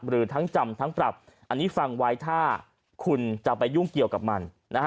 หรือทั้งจำทั้งปรับอันนี้ฟังไว้ถ้าคุณจะไปยุ่งเกี่ยวกับมันนะฮะ